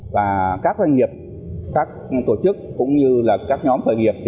và các doanh nghiệp các tổ chức cũng như là các nhóm thời nghiệp